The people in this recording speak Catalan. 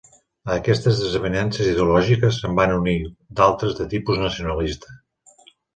A aquestes desavinences ideològiques se'n van unir d'altres de tipus nacionalista.